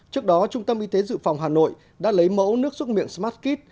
trước đó trung tâm y tế dự phòng hà nội đã lấy mẫu nước xúc miệng smartite